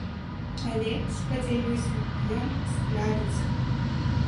Але, спадзяюся, ён справіцца.